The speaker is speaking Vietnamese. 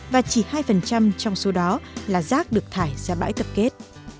và chỉ hai trong số đó là rác được thải ra bãi tập kết